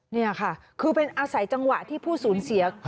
นี่ค่ะคือเป็นอาศัยจังหวะที่ผู้สูญเสีย